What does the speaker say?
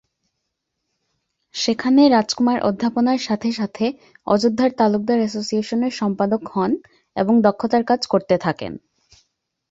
সেখানে রাজকুমার অধ্যাপনার সাথে সাথে অযোধ্যার তালুকদার অ্যাসোসিয়েশনের সম্পাদক হন এবং দক্ষতার কাজ করতে থাকেন।